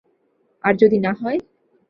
আর যদি না হয়?